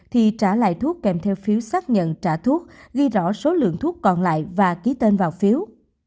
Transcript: thì trả lại thuốc kèm theo phiếu xác nhận trả thuốc ghi rõ số lượng thuốc còn lại và ký tên vào phiếu